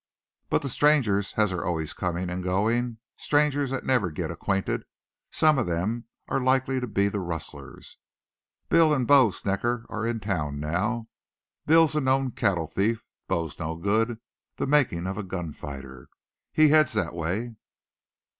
"But the strangers as are always comin' an' goin' strangers that never git acquainted some of them are likely to be the rustlers. Bill an' Bo Snecker are in town now. Bill's a known cattle thief. Bo's no good, the makin' of a gun fighter. He heads thet way.